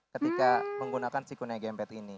ketika menggunakan si kunai gempet ini